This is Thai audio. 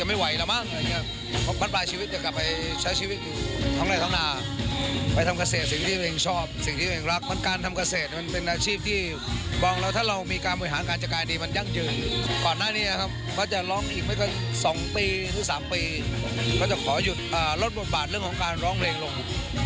สามปีหรือสามปีเขาจะขอหยุดลดบุบาทเรื่องของการร้องเพลงลง